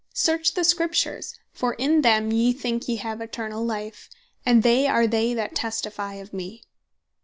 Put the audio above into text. "Search the Scriptures, for in them yee thinke yee have eternall life; and they are they that testifie of mee."